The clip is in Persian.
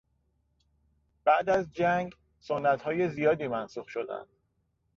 بعد از جنگ سنتهای زیادی منسوخ شدند.